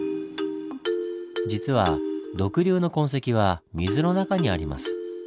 実は毒竜の痕跡は水の中にあります。